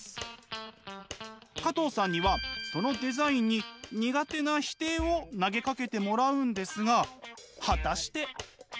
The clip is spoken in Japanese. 加藤さんにはそのデザインに苦手な否定を投げかけてもらうんですが果たして。